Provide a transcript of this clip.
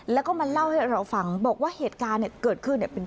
แล้วก็มาเล่าให้เราฟังบอกว่าเหตุการณ์เนี่ยเกิดขึ้นเนี่ย